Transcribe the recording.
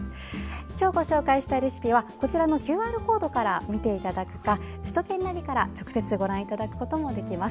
今日ご紹介したレシピはこちらのＱＲコードから見ていただくか首都圏ナビから直接ご覧いただくこともできます。